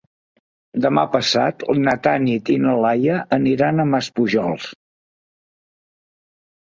Demà passat na Tanit i na Laia iran a Maspujols.